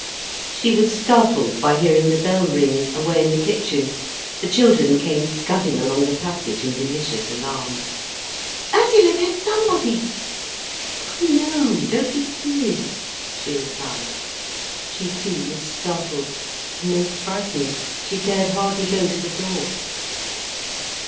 She was startled by hearing the bell ring, away in the kitchen, the children came scudding along the passage in delicious alarm. "Ursula, there's somebody." "I know. Don't be silly," she replied. She too was startled, almost frightened. She dared hardly go to the door.